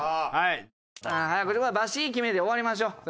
早口言葉バシッ決めて終わりましょう。